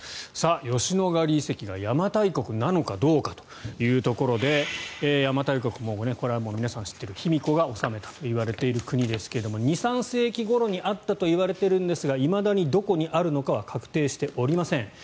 吉野ヶ里遺跡が邪馬台国なのかどうかということで邪馬台国、これはもう皆さん知っている卑弥呼が治めたといわれている国ですが２３世紀ごろにあったといわれているんですがいまだにどこにあるのかは確定しておりません。